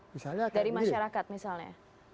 misalnya dari masyarakat misalnya